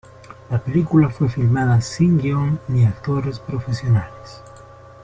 La película fue filmada sin guion ni actores profesionales.